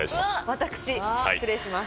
私失礼します